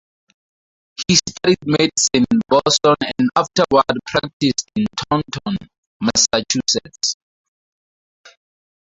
He studied medicine in Boston and afterward practiced in Taunton, Massachusetts.